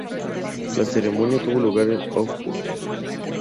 La ceremonia tuvo lugar en Hofburg.